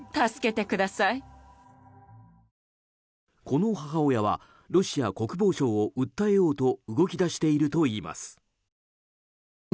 この母親はロシア国防省を訴えようと動き出しているといいます。